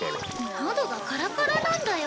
喉がカラカラなんだよ。